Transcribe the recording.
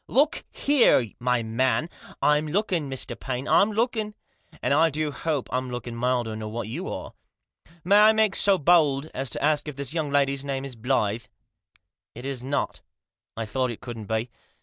" Look here, my man !" "I'm looking, Mr. Paine, I'm looking; and I do hope Pm looking milder nor what you are. May I make so bold as to ask if this young lady's name isBlyth?" " It is not" " I thought it couldn't be.